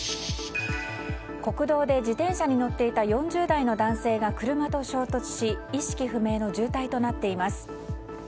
国道で自転車に乗っていた４０代の男性が車と衝突し意識不明の重体となっています。